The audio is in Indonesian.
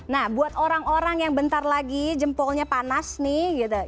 nah buat orang orang yang bentar lagi jempolnya panas nih gitu